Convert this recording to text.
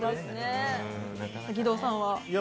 義堂さんは？